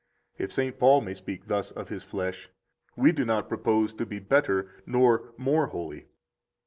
If St. Paul may speak thus of his flesh, we do not propose to be better nor more holy.